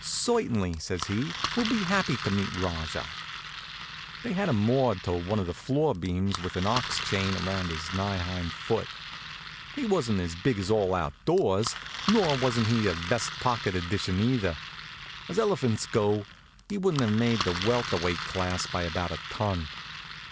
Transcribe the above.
"Certainly," says he, "we'll be happy to meet Rajah." They had him moored to one of the floor beams with an ox chain around his nigh hind foot. He wasn't as big as all out doors, nor he wasn't any vest pocket edition either. As elephants go, he wouldn't have made the welter weight class by about a ton.